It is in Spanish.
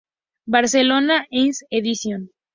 Barcelona: Lynx Edicions.